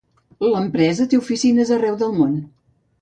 L'empresa té oficines arreu del món.